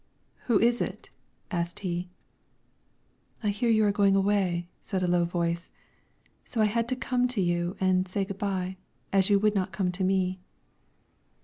"Who is it?" asked he. "I hear you are going away," said a low voice, "so I had to come to you and say good by, as you would not come to me."